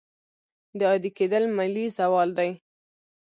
دا عادي کېدل ملي زوال دی.